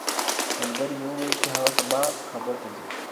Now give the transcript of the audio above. ملګري مې وویل چې هغه سبا کابل ته ځي.